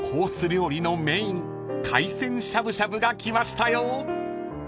料理のメイン海鮮しゃぶしゃぶが来ましたよ］